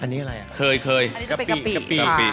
้นก็เป็นกะปี้